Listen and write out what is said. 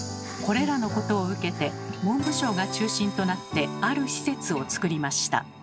これらのことを受けて文部省が中心となってある施設をつくりました。